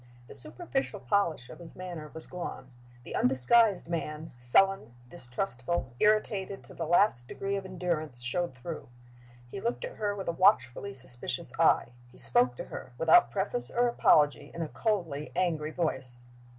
The superficial polish of his manner was gone; the undisguised man, sullen, distrustful, irritated to the last degree of endurance, showed through. He looked at her with a watchfully suspicious eye; he spoke to her, without preface or apology, in a coldly angry voice.